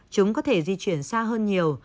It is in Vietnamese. chúng có thể di chuyển xa hơn nhiều